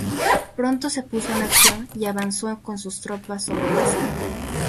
Pronto se puso en acción, y avanzó con sus tropas sobre Huesca.